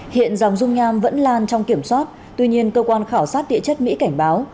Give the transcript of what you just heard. hiện dòng rung nham vẫn lan trong kiểm soát tuy nhiên cơ quan khảo sát địa chất mỹ cảnh báo